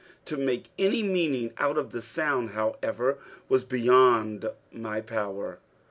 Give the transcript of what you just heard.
To make any meaning out of the sound, however, was beyond my power.